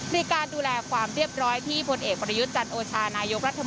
ในการดูแลความเรียบร้อยที่พลกัลยุทธ์จันต์โอชา